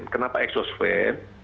kenapa exhaust fan